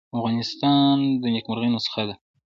افغانستان مې د نیکمرغۍ نسخه وه.